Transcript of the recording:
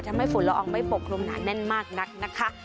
ทำให้ฝุ่นละอองไม่ปกลมหนาแน่นมากนักนะคะ